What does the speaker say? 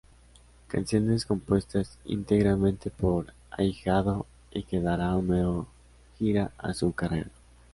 Canciones compuestas íntegramente por Ahijado y que dará un nuevo gira a su carrera.